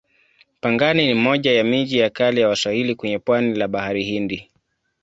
Pangani ni moja ya miji ya kale ya Waswahili kwenye pwani la Bahari Hindi.